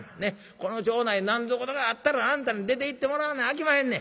この町内何ぞ事があったらあんたに出ていってもらわなあきまへんねん。